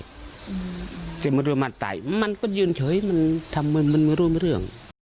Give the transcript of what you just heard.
ก็มีแค่นั้นเลยมันก็ยืนเฉยมันทำมันร่วมเรื่อง